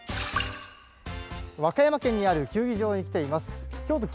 和歌山県にある球技場に来ています。